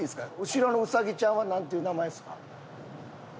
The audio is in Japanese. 後ろのウサギちゃんはなんていう名前ですか？